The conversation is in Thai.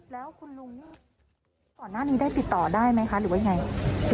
แล้วคุณลุงนี่ก่อนหน้านี้ได้ติดต่อได้ไหมคะหรือว่ายังไง